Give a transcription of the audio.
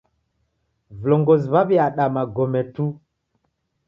Vilongozi w'aw'iada magome tu.